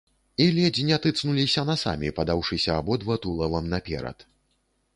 І ледзь не тыцнуліся насамі, падаўшыся абодва тулавам наперад.